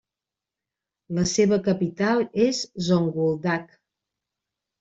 La seva capital és Zonguldak.